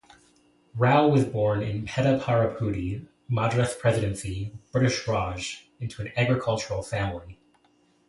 Rao was born in Pedaparupudi, Madras Presidency, British Raj, into an agricultural family.